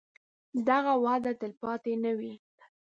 دغه وده تلپاتې نه وي.